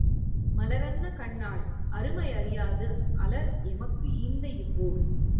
மலரன்ன கண்ணாள் அருமை அறியாது அலர் எமக்கு ஈந்த இவ்வூர்.